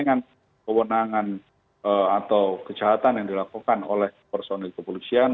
dengan kewenangan atau kejahatan yang dilakukan oleh personil kepolisian